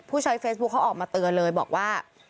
ใช้เฟซบุ๊คเขาออกมาเตือนเลยบอกว่า